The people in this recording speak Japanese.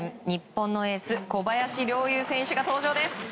日本のエース小林陵侑選手が登場です。